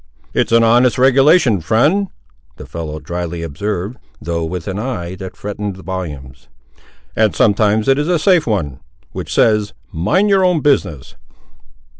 "It's an honest regulation, friend," the fellow, drily observed, though with an eye that threatened volumes, "and sometimes it is a safe one, which says, mind your own business."